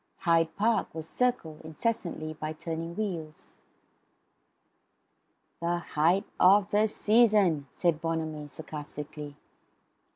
Hyde Park was circled, incessantly, by turning wheels. "The height of the season," said Bonamy sarcastically.